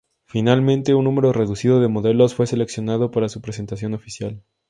Finalmente, un número reducido de modelos fue seleccionado para su presentación oficial.